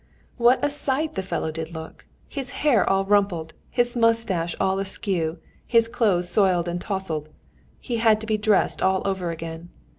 "What a sight the fellow did look! his hair all rumpled, his moustache all askew, his clothes soiled and tousled. He had to be dressed all over again.